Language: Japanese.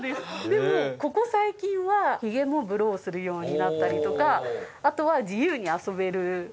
でもここ最近はヒゲもブローするようになったりとかあとは自由に遊べる。